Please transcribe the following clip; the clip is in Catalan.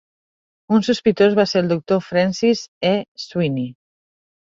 Un sospitós va ser el Doctor Francis E. Sweeney.